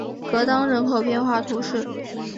戈当人口变化图示